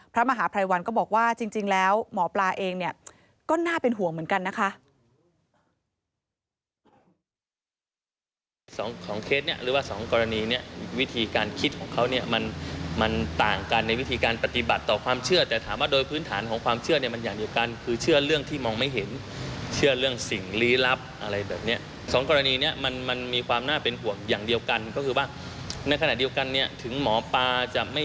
พระมหาภัยวันก็บอกว่าจริงแล้วหมอปลาเองเนี่ยก็น่าเป็นห่วงเหมือนกันนะคะ